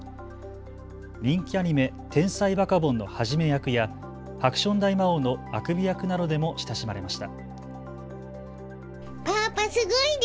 人気アニメ、天才バカボンのハジメ役やハクション大魔王のアクビ役などでも親しまれました。